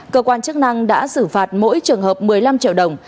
cơ quan chức năng đã xử phạt mỗi trường hợp một mươi năm triệu đồng